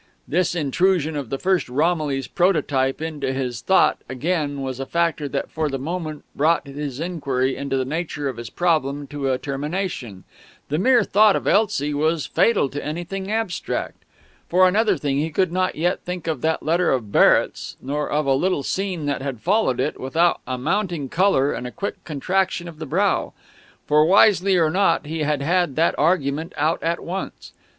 This intrusion of the first Romilly's prototype into his thought again was a factor that for the moment brought his inquiry into the nature of his problem to a termination; the mere thought of Elsie was fatal to anything abstract. For another thing, he could not yet think of that letter of Barrett's, nor of a little scene that had followed it, without a mounting of colour and a quick contraction of the brow. For, wisely or not, he had had that argument out at once.